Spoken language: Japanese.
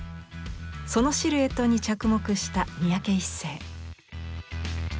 そのシルエットに着目した三宅一生。